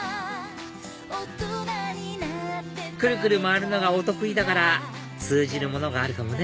くるくる回るのがお得意だから通じるものがあるかもね